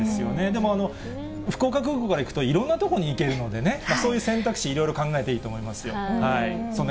でも、福岡空港から行くと、いろんなとこに行けるのでね、そういう選択肢いろいろ考えていいと思いますよ。